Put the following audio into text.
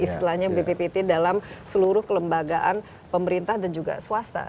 istilahnya bppt dalam seluruh kelembagaan pemerintah dan juga swasta